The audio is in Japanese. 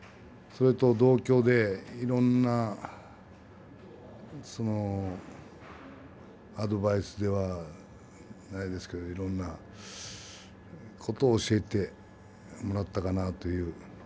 それと同郷でいろんなアドバイスではないですけれどもいろんなことを教えてもらったかなという。